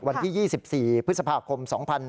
วันที่๒๔พฤษภาคม๒๕๖๒